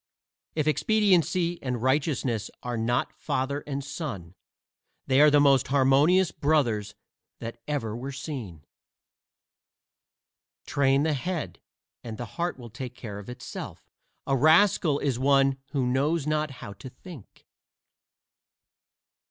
If Expediency and Righteousness are not father and son they are the most harmonious brothers that ever were seen. Train the head, and the heart will take care of itself; a rascal is one who knows not how to think.